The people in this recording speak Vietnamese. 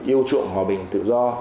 yêu chuộng hòa bình tự do